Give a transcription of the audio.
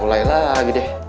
mulai lagi deh